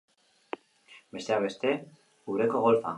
Besteak beste, ureko golfa!